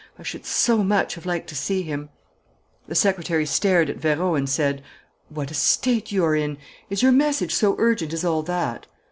I should so much have liked to see him!" The secretary stared at Vérot and said: "What a state you're in! Is your message so urgent as all that?"